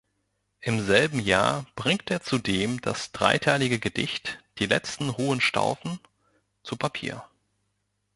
Im selben Jahr bringt er zudem das dreiteilige Gedicht "Die letzten Hohenstaufen" zu Papier.